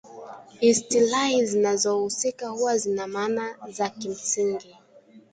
Istilahi zinazohusika huwa zina maana za kimsingi